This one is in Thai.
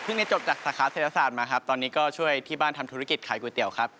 ได้จบจากสาขาเศรษฐศาสตร์มาครับตอนนี้ก็ช่วยที่บ้านทำธุรกิจขายก๋วยเตี๋ยวครับ